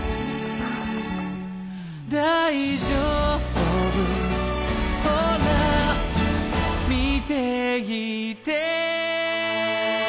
「『大丈夫ほら見ていて』」